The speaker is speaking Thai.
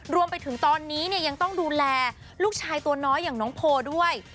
รวมไปถึงตอนนี้เนี่ยยังต้องดูแลลูกชายตัวน้อยอย่างน้องโพลด้วย